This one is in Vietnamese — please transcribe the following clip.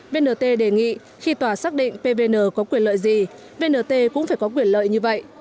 vnt đề nghị khi tòa xác định pvn có quyền lợi gì vnt cũng phải có quyền lợi như vậy